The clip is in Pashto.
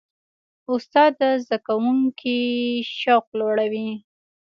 استاد د زده کوونکي شوق لوړوي.